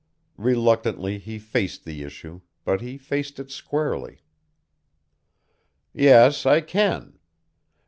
Reluctantly he faced the issue, but he faced it squarely. "Yes, I can.